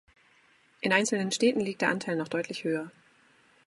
In einzelnen Städten liegt der Anteil noch deutlich höher.